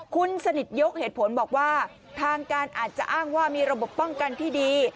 คุณสนิทยกเหตุผลบอกว่าทางการอาจจะอ้างว่ามีระบบป้องกันที่ดี